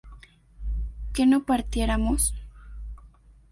¿que no partiéramos?